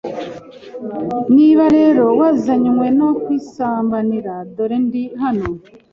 niba rero wazanywe no kwisambanira dore ndi hano,